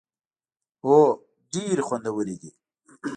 هو، ډیری خوندورې دي